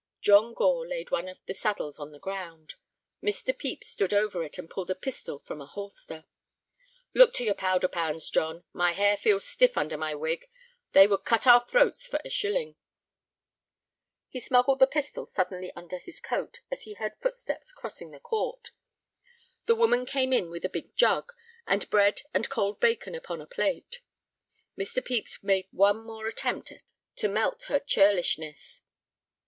John Gore laid one of the saddles on the ground. Mr. Pepys stooped over it and pulled a pistol from a holster. "Look to your powder pans, John; my hair feels stiff under my wig. They would cut our throats for a shilling." He smuggled the pistol suddenly under his coat as he heard footsteps crossing the court. The woman came in with a big jug, and bread and cold bacon upon a plate. Mr. Pepys made one more attempt to melt her churlishness.